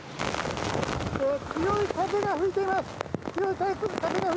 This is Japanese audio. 強い風が吹いています。